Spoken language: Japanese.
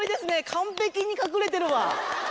完璧に隠れてるわ。